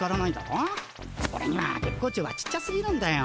オレには月光町はちっちゃすぎなんだよ。